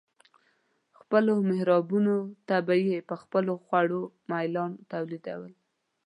خپلو محرابونو ته به یې په خپلو خوړو ملایان تولیدول.